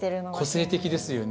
個性的ですよね